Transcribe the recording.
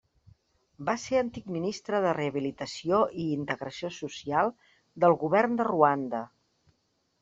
Va ser antic ministre de Rehabilitació i Integració Social del govern de Ruanda.